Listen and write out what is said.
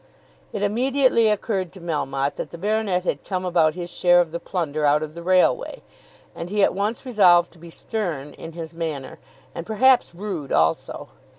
It immediately occurred to Melmotte that the baronet had come about his share of the plunder out of the railway, and he at once resolved to be stern in his manner, and perhaps rude also.